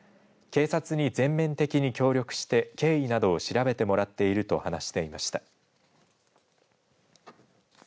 警察に全面的に協力して経緯などを調べてもらっていると話していました。